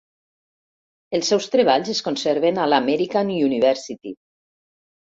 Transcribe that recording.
Els seus treballs es conserven a l'American University.